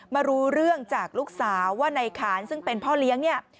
มารู้เรื่องจากลูกสาวว่าในขานซึ่งเป็นพ่อเลี้ยงเนี่ย